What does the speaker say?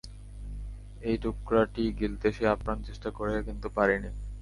এই টুকরাটি গিলতে সে আপ্রাণ চেষ্টা করে কিন্তু পারেনি।